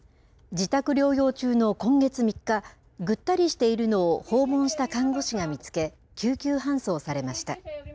自宅療養中の今月３日、ぐったりしているのを訪問した看護師が見つけ、救急搬送されました。